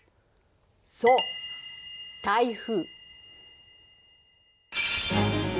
そう台風。